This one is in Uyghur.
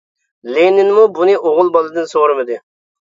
لېنىنمۇ بۇنى ئوغۇل بالىدىن سورىمىدى.